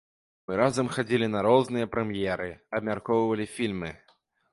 Мы разам хадзілі на розныя прэм'еры, абмяркоўвалі фільмы.